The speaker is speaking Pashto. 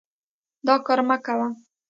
دا کار مه کوه.